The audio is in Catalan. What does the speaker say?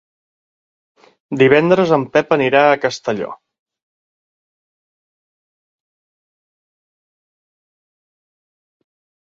Divendres en Pep anirà a Castelló.